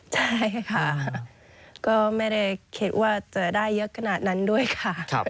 ใช่ค่ะก็ไม่ได้คิดว่าจะได้เยอะขนาดนั้นด้วยค่ะ